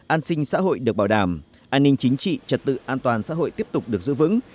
an sinh xã hội được bảo đảm an ninh chính trị trật tự an toàn xã hội tiếp tục được giữ vững